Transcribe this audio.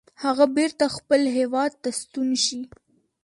هغه بیرته خپل هیواد ته ستون شي.